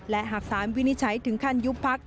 และหากสารวินิจฉัยถึงขั้นยุบพัก